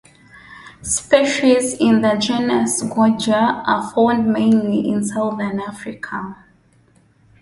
Species in the genus "Goggia" are found mainly in southern Africa.